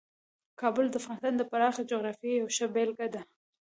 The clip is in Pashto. کابل د افغانستان د پراخې جغرافیې یوه ښه بېلګه ده.